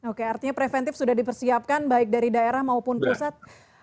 oke artinya preventif sudah dipersiapkan baik dari daerah maupun pusat